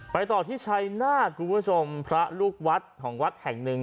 ต่อที่ชัยนาธคุณผู้ชมพระลูกวัดของวัดแห่งหนึ่ง